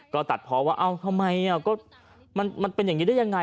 ก็ตัดเพราะว่าเอ้าทำไมมันเป็นอย่างนี้ได้ยังไง